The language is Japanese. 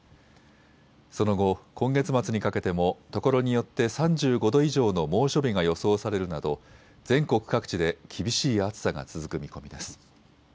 その後、今月末にかけても所によって３５度以上の猛暑日が予想されるなど全国各地で厳しい暑さが続く見込みです。